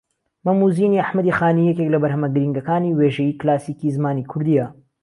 مەم و زینی ئەحمەدی خانی یەکێک لە بەرھەمە گرینگەکانی وێژەی کلاسیکی زمانی کوردییە